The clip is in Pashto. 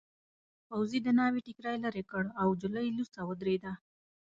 پوځي د ناوې ټکري لیرې کړ او نجلۍ لوڅه ودرېده.